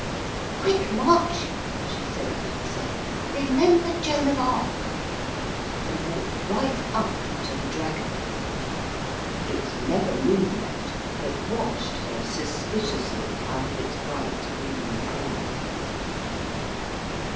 'Quick march!' she said to herself, 'remember Joan of Arc,' and walked right up to the dragon. It never moved, but watched her suspiciously out of its bright green eyes.